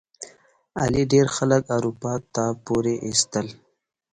علي ډېر خلک اروپا ته پورې ایستل.